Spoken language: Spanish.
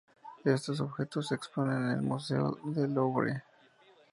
Estos objetos se exponen en el museo del Louvre.